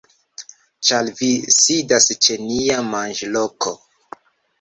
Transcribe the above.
Ĉar vi sidas ĉe nia manĝloko!